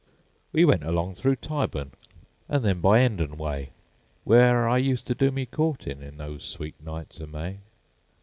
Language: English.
"We went along through Tyburn, An' then by 'Endon way, W'ere I ust ter do me courtin'In those sweet nights o' May.